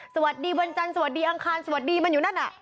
สวัสดีวันจันทร์สวัสดีอังคารสวัสดีมันอยู่นั่นน่ะ